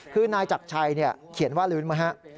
คือนายจักรชัยเขียนว่าเริวิธิมหะ